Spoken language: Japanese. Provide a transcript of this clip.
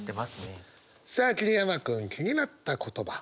さあ桐山君気になった言葉。